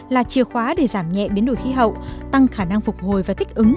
là chìa khóa để giảm nhẹ biến đổi khí hậu tăng khả năng phục hồi và thích ứng